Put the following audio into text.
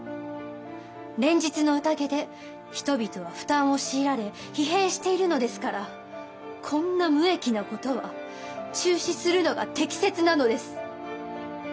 連日の宴で人々は負担を強いられ疲弊しているのですからこんな無益なことは中止するのが適切なのです。